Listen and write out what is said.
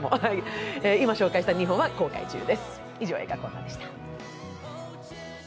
今紹介した２本は公開中です。